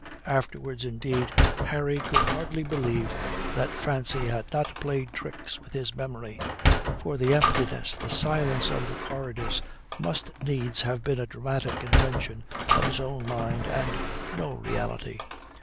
Afterwards, indeed, Harry could hardly believe that fancy had not played tricks with his memory; for the emptiness, the silence of the corridors must needs have been a dramatic invention of his own mind and no reality.